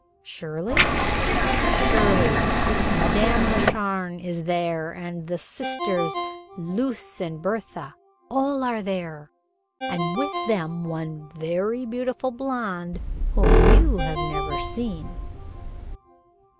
"Surely?" "Surely. Madame la Charne is there and the sisters Lucie and Bertha, all are there, and with them one very beautiful blonde whom you have never seen."